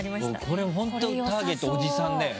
これ本当ターゲットおじさんだよね。